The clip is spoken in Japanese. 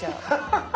ハハハハ！